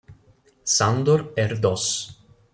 Sándor Erdős